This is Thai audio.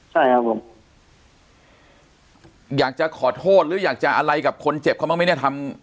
ใช่ครับผมอยากจะขอโทษหรืออยากจะอะไรกับคนเจ็บเขาบ้างไหมเนี่ยทำ